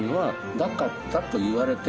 なかったといわれてる。